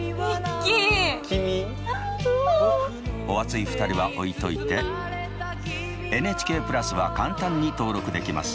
お熱い２人は置いといてＮＨＫプラスは簡単に登録できます。